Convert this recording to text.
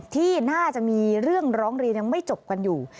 ที่น่าจะมีเรื่องร้องเรียนยังไม่จบกันอยู่